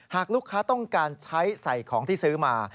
หากลูกค้าต้องการใช้ใส่ของที่ซื้อมา